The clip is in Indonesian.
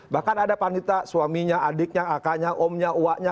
bahkan ada panitera suaminya adiknya akaknya omnya uaknya